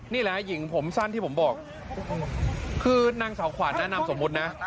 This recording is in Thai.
นี่แหละหญิงผมสั้นที่ผมบอกคือนางสาวขวานแนะนำสมมุตินะ